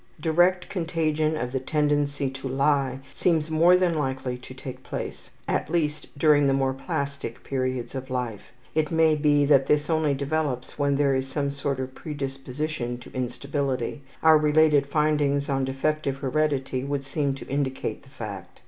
Direct contagion of the tendency to lie seems more than likely to take place, at least during the more plastic periods of life. It may be that this only develops when there is some sort of predisposition to instability; our related findings on defective heredity would seem to indicate the fact.